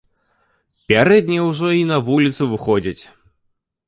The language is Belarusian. Пярэднія ўжо й на вуліцу выходзяць.